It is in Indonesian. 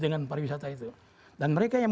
dengan pariwisata itu dan mereka yang